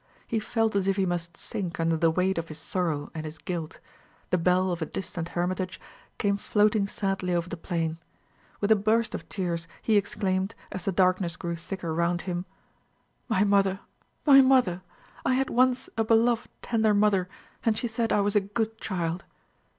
He felt as if he must sink under the weight of his sorrow and his guilt. The bell of a distant hermitage came floating sadly over the plain. With a burst of tears he exclaimed, as the darkness grew thicker round him, "My mother! my mother! I had once a beloved tender mother, and she said I was a good child!"